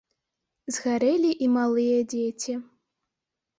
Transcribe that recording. Згарэлі і малыя дзеці.